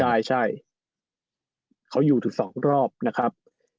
ใช่ใช่เขาอยู่ถึงสองรอบนะครับ